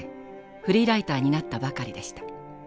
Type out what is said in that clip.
フリーライターになったばかりでした。